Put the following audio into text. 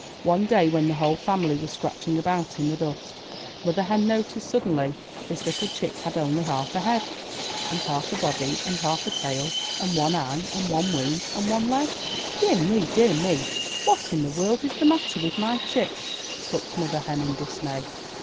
One day when the whole family were scratching about in the dust. Mother ^ Hen noticed suddenly that this little chick had only half a head, and half a body, and half a tail, and one eye, and one wing, and one leg! 304 IN THE NURSERY ''Dear me! Dear me! What in the world is the matter with my chick?*' clucked Mother Hen in dismay.